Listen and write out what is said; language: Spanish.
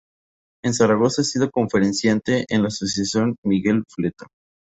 En Zaragoza ha sido conferenciante en la Asociación Miguel Fleta.